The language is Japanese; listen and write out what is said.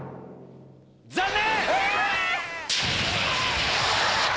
残念！